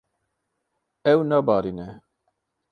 Ew nabarîne.